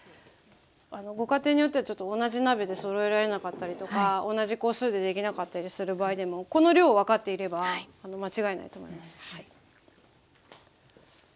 ご家庭によっては同じ鍋でそろえられなかったりとか同じ個数でできなかったりする場合でもこの量を分かっていれば間違いないと思いますはい。